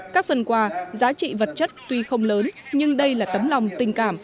các phần quà giá trị vật chất tuy không lớn nhưng đây là tấm lòng tình cảm